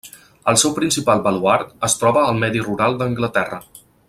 El seu principal baluard es troba al medi rural d'Anglaterra.